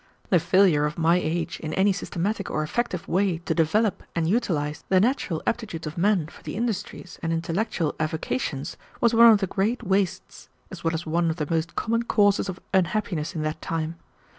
The failure of my age in any systematic or effective way to develop and utilize the natural aptitudes of men for the industries and intellectual avocations was one of the great wastes, as well as one of the most common causes of unhappiness in that time.